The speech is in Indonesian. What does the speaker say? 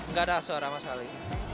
gak ada asurama sekali